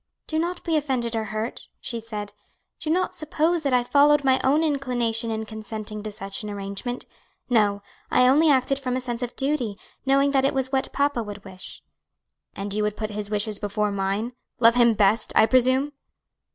"Do not be offended or hurt," she said; "do not suppose that I followed my own inclination in consenting to such an arrangement. No, I only acted from a sense of duty; knowing that it was what papa would wish." "And you would put his wishes before mine? Love him best, I presume?"